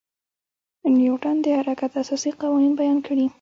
نیوټن د حرکت اساسي قوانین بیان کړي.